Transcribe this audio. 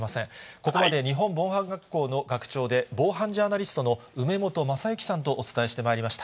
ここまで日本防犯学校の学長で、防犯ジャーナリストの梅本正行さんとお伝えしてまいりました。